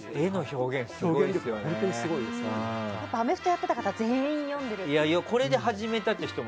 アメフトをやってた方は全員読んでますよね。